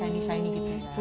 nah ini gitu ya